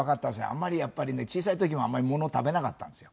あんまりやっぱりね小さい時もあんまりものを食べなかったんですよ。